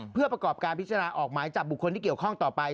เพื่อประกอบการพิจารณาออกหมายจับบุคคลที่เกี่ยวข้องต่อไป